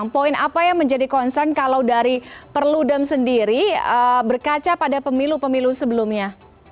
poin apa yang menjadi concern kalau dari perludem sendiri berkaca pada pemilu pemilu sebelumnya